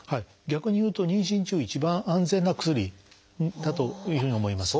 逆に言うと妊娠中一番安全な薬だというふうに思います。